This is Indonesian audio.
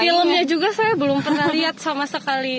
filmnya juga saya belum pernah lihat sama sekali